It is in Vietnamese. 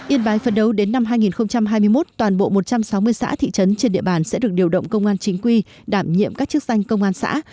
yên bái phân đấu đến năm hai nghìn hai mươi một toàn bộ một trăm sáu mươi xã thị trấn trên địa bàn sẽ được điều động công an chính quy đảm nhiệm các chức danh công an xã